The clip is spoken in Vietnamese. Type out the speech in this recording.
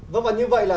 vâng và như vậy là